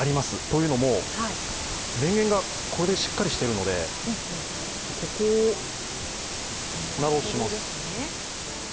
というのも、電源がしっかりしているので、ここを押します。